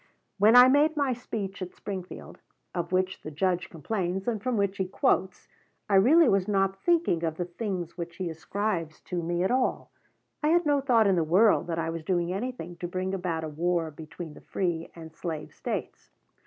When I made my speech at Springfield, of which the Judge complains and from which he quotes, I really was not thinking of the things which he ascribes to me at all. I had no thought in the world that I was doing anything to bring about a war between the Free and Slave States.